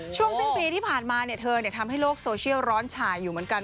ช่วงสิ้นปีที่ผ่านมาเธอทำให้โลกโซเชียลร้อนฉ่ายอยู่เหมือนกัน